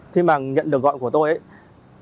khi mà nhận được gọi của tôi ấy